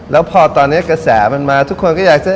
แล้วพอตอนนี้กระแสมันมาทุกคนก็อยากจะ